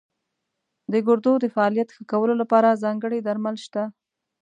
د ګردو د فعالیت ښه کولو لپاره ځانګړي درمل شته.